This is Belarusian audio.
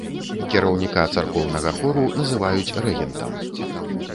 Кіраўніка царкоўнага хору называюць рэгентам.